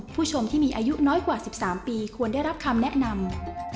ผู้ชมที่มีอายุน้อยกว่า๑๓ปีควรได้รับคำแนะนำ